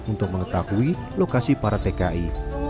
untuk mengetahui lokasi para tki